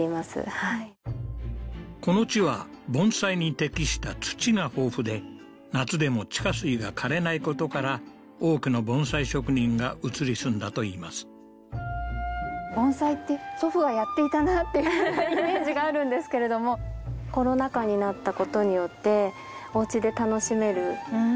はいこの地は盆栽に適した土が豊富で夏でも地下水がかれないことから多くの盆栽職人が移り住んだといいます盆栽って祖父がやっていたなっていうイメージがあるんですけれどもコロナ禍になったことによっておうちで楽しめるうん